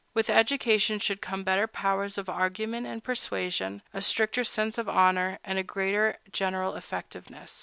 With education should come better powers of argument and persuasion, a stricter sense of honor, and a greater general effectiveness.